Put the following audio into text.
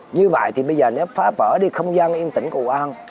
như vậy thì bây giờ nếu phá vỡ đi không gian yên tĩnh của hội an